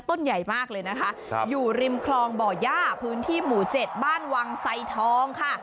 ต้นใหญ่มากเลยนะคะอยู่ริมคลองบ่อย่าพื้นที่หมู่๗บ้านวังไสทองค่ะ